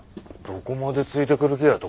どこまでついてくる気だよ？